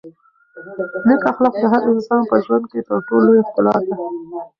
نېک اخلاق د هر انسان په ژوند کې تر ټولو لویه ښکلا ده.